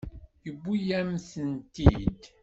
Yewwi-yam-tent-id.